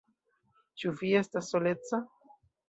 Ĉu vi estas soleca?